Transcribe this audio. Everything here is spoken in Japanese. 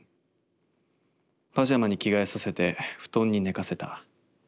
パジャマに着替えさせて布団に寝かせた。